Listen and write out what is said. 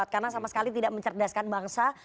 karena sama sekali tidak mencerdaskan bangsa